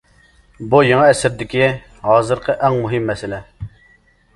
بۇ يېڭى ئەسىردىكى ھازىرقى ئەڭ مۇھىم مەسىلە.